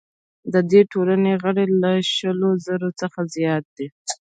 د دې ټولنې غړي له شلو زرو څخه زیات دي.